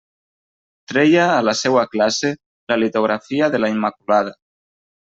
Treia a la seua classe la litografia de la Immaculada.